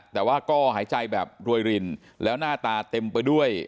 แต่ว่าก็หายใจแบบรวยรินแล้วหน้าตาเต็มไปด้วย